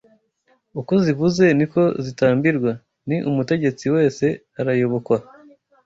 Uko zivuze niko zitambirwa ni Umutegetsi wese arayobokwa